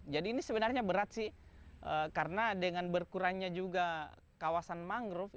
jadi ini sebenarnya berat sih karena dengan berkurangnya juga kawasan mangrove